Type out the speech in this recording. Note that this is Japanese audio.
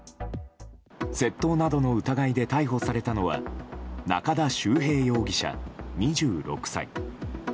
窃盗などの疑いで逮捕されたのは中田秀平容疑者、２６歳。